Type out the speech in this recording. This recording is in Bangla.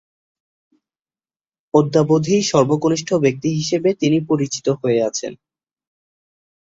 অদ্যাবধি সর্বকনিষ্ঠ ব্যক্তি হিসেবে তিনি পরিচিত হয়ে আছেন।